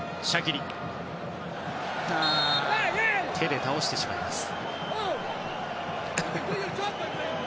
手で倒してしまいました。